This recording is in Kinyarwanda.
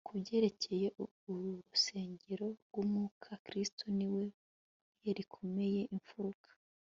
ku byerekeye uru rusengero rw'umwuka, kristo ni we buye rikomeza imfuruka